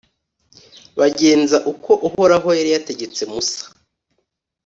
bagenza uko uhoraho yari yategetse musa.